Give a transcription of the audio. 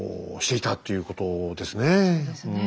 そうですね。